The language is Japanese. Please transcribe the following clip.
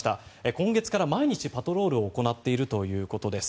今月から毎日、パトロールを行っているということです。